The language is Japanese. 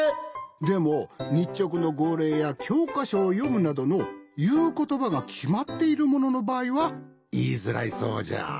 でもにっちょくのごうれいやきょうかしょをよむなどのいうことばがきまっているもののばあいはいいづらいそうじゃあ。